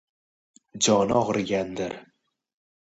Joni og‘rigandir.